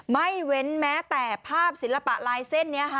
ไม่เว้นแม้แต่ภาพศิลปะลายเส้นนี้ค่ะ